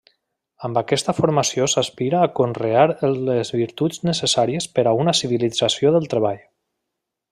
Amb aquesta formació s'aspira a conrear les virtuts necessàries per a una civilització del treball.